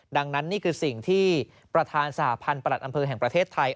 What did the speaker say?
ดังนั้นนี่คือสิ่งที่ประธานสหพันธ์ประหลัดอำเภอแห่งประเทศไทย